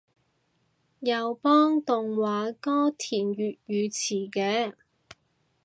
有幫動畫歌填粵語詞嘅